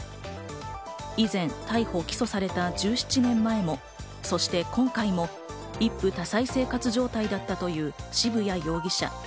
以前、逮捕・起訴された１７年前も、そして今回も一夫多妻生活状態だったという渋谷容疑者。